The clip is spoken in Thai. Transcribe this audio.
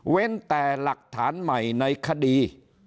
แต่หลักฐานใหม่ในคดี